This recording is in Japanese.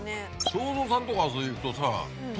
正蔵さんとこ遊びに行くとさ。